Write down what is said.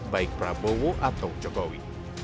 baik prabowo atau jokowi